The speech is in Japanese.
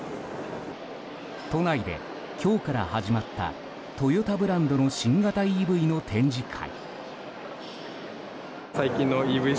都内で今日から始まったトヨタブランドの新型ＥＶの展示会。